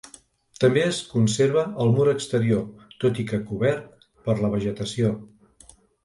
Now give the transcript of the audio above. També es conserva el mur exterior, tot i que cobert per la vegetació.